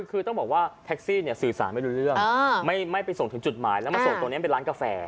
คือต้องบอกว่าแท็กซี่เนี่ยสื่อสารไม่รู้เรื่องไม่ไปส่งถึงจุดหมายแล้วมาส่งตรงนี้เป็นร้านกาแฟ